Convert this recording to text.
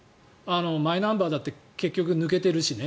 マイナンバーだって結局抜けてるしね。